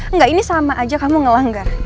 enggak ini sama aja kamu ngelanggar